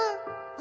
「あ！」